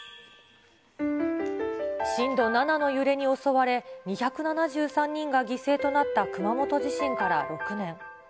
震度７の揺れに襲われ、２７３人が犠牲となった熊本地震から６年。